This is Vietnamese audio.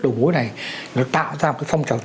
đầu mối này được tạo ra một phong trào